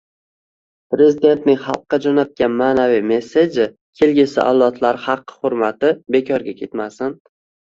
Prezidentning xalqqa jo‘natgan ma’naviy “messeji”, kelgusi avlodlar haqqi-hurmati, bekorga ketmasin.